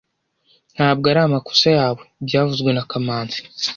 Ntabwo ari amakosa yawe byavuzwe na kamanzi